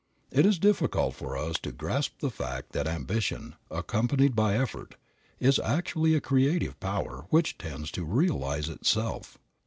It is difficult for us to grasp the fact that ambition, accompanied by effort, is actually a creative power which tends to realize itself.